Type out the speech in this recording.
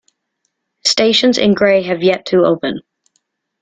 Stations in gray have yet to open.